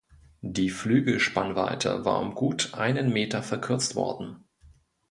Die Flügelspannweite war um gut einen Meter verkürzt worden.